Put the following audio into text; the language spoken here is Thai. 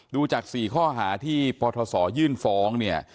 ดูจาก๔ข้อหาที่ปทศยื่นฟ้องเนี่ย